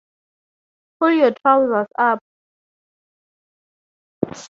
Pull your trousers up.